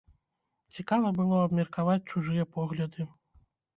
Цікава было абмеркаваць чужыя погляды.